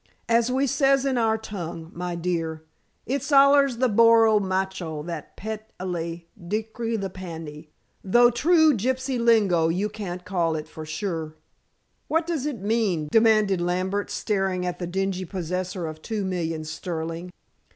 As we says in our tongue, my dear, 'It's allers the boro matcho that pet a lay 'dree the panni,' though true gypsy lingo you can't call it for sure." "What does it mean?" demanded Lambert, staring at the dingy possessor of two millions sterling.